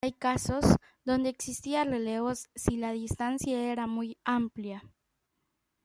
Hay casos, donde existía relevos si la distancia era muy amplia.